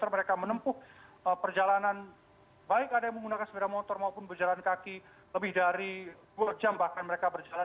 mereka menempuh perjalanan baik ada yang menggunakan sepeda motor maupun berjalan kaki lebih dari dua jam bahkan mereka berjalan